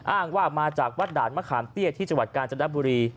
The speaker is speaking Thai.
อ้างว่ามาจากวัดด่านมะขามเตี้ยที่จังหวัดกาญจนบุรี